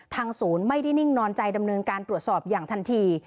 ศูนย์ไม่ได้นิ่งนอนใจดำเนินการตรวจสอบอย่างทันที